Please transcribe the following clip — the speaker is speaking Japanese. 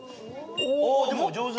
おでも上手。